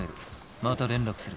また連絡する。